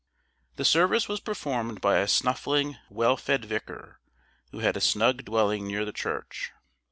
The service was performed by a snuffling, well fed vicar, who had a snug dwelling near the church.